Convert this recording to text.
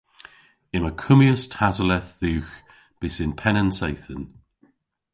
Yma kummyas tasoleth dhywgh bys yn penn an seythen.